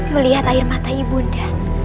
melihat air mata ibunda